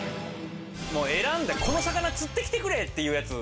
選んでこの魚釣ってきてくれっていうやつ。